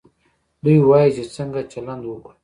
دوی وايي چې څنګه چلند وکړو.